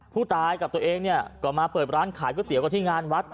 ผู้ตายกับตัวเองเนี่ยก็มาเปิดร้านขายก๋วยเตี๋ยวกันที่งานวัด